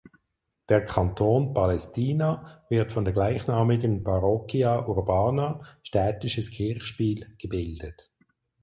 Der Kanton Palestina wird von der gleichnamigen Parroquia urbana („städtisches Kirchspiel“) gebildet.